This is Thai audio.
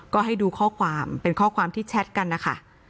ก็ให้ดูข้อความเป็นข้อความที่แชทกันนะคะ